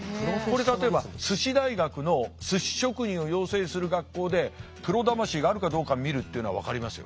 これ例えばすし大学のすし職人を養成する学校でプロ魂があるかどうか見るっていうのは分かりますよ。